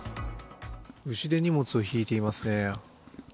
牛で荷物を引いていますね。